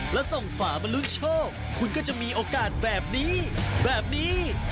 แล้วส่งฝามาลุ้นโชคคุณก็จะมีโอกาสแบบนี้แบบนี้